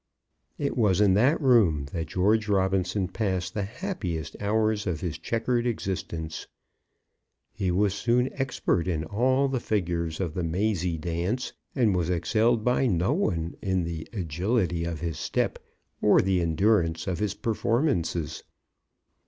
It was in that room that George Robinson passed the happiest hours of his chequered existence. He was soon expert in all the figures of the mazy dance, and was excelled by no one in the agility of his step or the endurance of his performances.